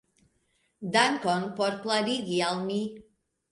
Dankon por klarigi al mi.